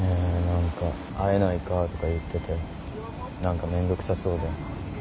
何か会えないか？とか言ってて何かめんどくさそうで。